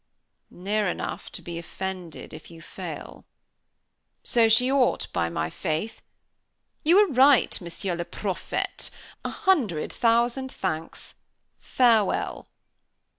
"Near enough to be offended if you fail." "So she ought, by my faith. You are right, Monsieur le prophète! A hundred thousand thanks! Farewell!"